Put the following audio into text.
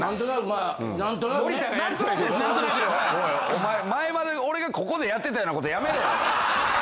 お前前まで俺がここでやってたようなことやめろ！